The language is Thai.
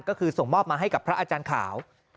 ก็คือส่งมอบมาให้กับพระอาจารย์ขาว